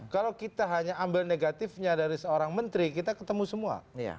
kalau kita hanya ambil negatifnya dari seorang menteri kita ketemu semua